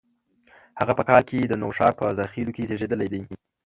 هغه په کال کې د نوښار په زاخیلو کې زیږېدلي دي.